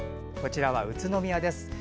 こちらは宇都宮です。